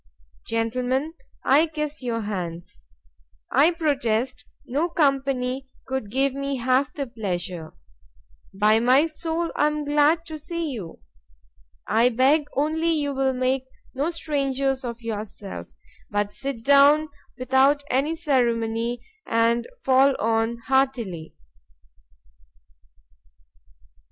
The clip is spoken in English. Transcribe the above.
—Gentlemen, I kiss your hands, I protest no company could give me half the pleasure,—by my soul I am glad to see you———I beg only you will make no strangers of yourselves, but sit down without any ceremony, and fall on heartily.